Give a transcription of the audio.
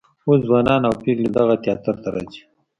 اوس ځوانان او پیغلې دغه تیاتر ته راځي.